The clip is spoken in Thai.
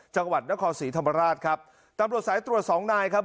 จังหวัดนครศรีธรรมราชครับตำรวจสายตรวจสองนายครับ